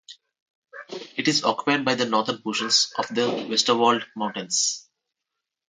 It is occupied by the northern portions of the Westerwald mountains.